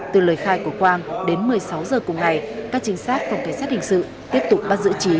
từ lời khai của quang đến một mươi sáu h cùng ngày các trinh sát phòng cảnh sát hình sự tiếp tục bắt giữ trí